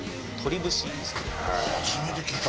初めて聞いた。